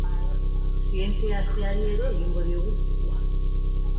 Zientzia asteari ere egingo diogu kukua.